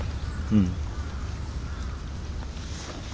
うん。